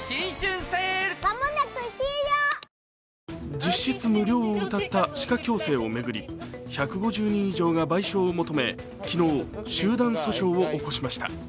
実質無料をうたった歯科矯正を巡り１５０人以上が賠償を求め昨日、集団訴訟を起こしました。